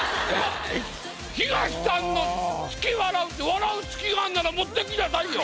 東さんの月笑うって笑う月があんなら持ってきなさいよ。